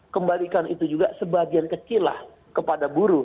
kembalikan itu juga sebagian kecil lah kepada buruh